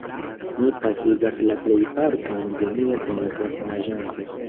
Mi pasigas la plejparton de mia tempo naĝante.